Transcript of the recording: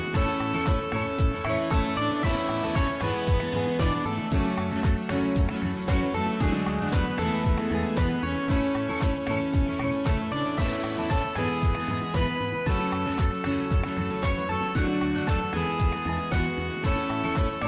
สวัสดีครับ